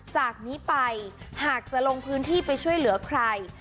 จากนี้ไปหากจะลงพื้นที่ไปช่วยเหลือใคร